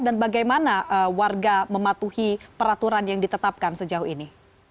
dan bagaimana warga mematuhi peraturan yang ditetapkan sejauh ini